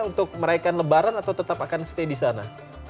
untuk meraihkan lebaran atau tetap akan stay disana